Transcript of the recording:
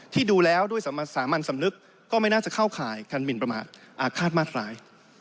ดูแล้วด้วยสามัญสำนึกก็ไม่น่าจะเข้าข่ายการหมินประมาทอาฆาตมาตราย